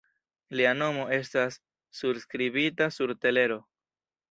Lia nomo estas surskribita sur telero.